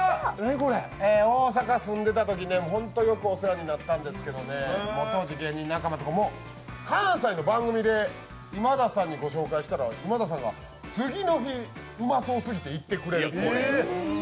大阪住んでたとき本当にお世話になったんですけれどもね、当時芸人仲間とか関西の番組で今田さんに御紹介したら今田さんが次の日、うまそうすぎて行ってくれて。